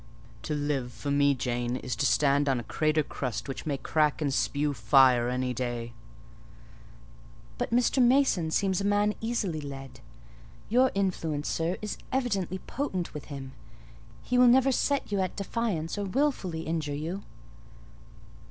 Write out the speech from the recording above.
To live, for me, Jane, is to stand on a crater crust which may crack and spue fire any day." "But Mr. Mason seems a man easily led. Your influence, sir, is evidently potent with him: he will never set you at defiance or wilfully injure you."